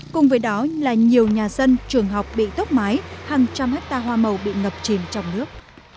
cùng với đó là nhiều nhà dân trường học bị tốc mái hàng trăm hectare hoa màu bị ngập chìm trong nước